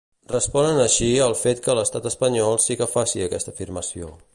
Responen així al fet que l'Estat espanyol sí que faci aquesta afirmació.